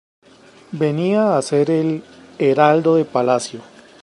Venía a ser el "Heraldo de palacio".